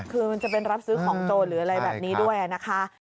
คือมันจะเป็นรับซื้อของโจรหรืออะไรแบบนี้ด้วยนะคะ